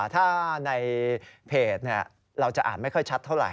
ถ้าในเพจเราจะอ่านไม่ค่อยชัดเท่าไห